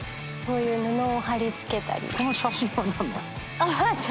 この写真は何なの？